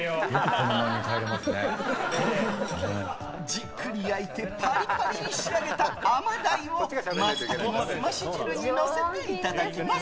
じっくり焼いてパリパリに仕上げた甘鯛をマツタケの澄まし汁にのせていただきます。